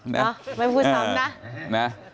ไม่พูดสำนะ